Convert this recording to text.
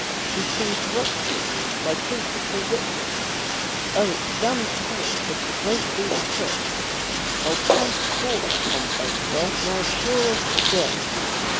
"He's been corrupted, my principal witness. Oh it's damn cun ning but it won't do the trick. I'll transport Tom Bakewell now sure as a gun.